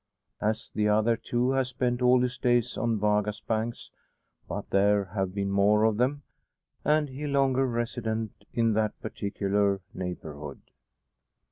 As the other, too, has spent all his days on Vaga's banks; but there have been more of them, and he longer resident in that particular neighbourhood.